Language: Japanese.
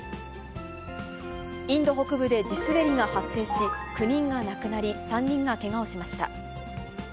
インド北部で地滑りが発生し、９人がなくなり、３人がけがをしました。